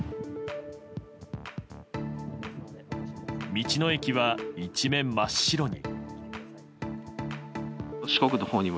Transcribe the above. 道の駅は、一面真っ白に。